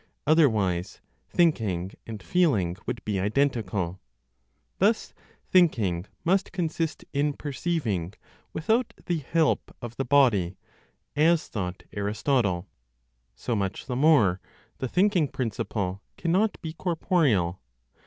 Otherwise, thinking and feeling would be identical. Thus, thinking must consist in perceiving without the help of the body (as thought Aristotle). So much the more, the thinking principle cannot be corporeal.